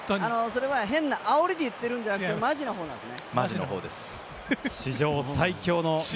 それは変なあおりで言ってるんじゃなくてマジなほうです。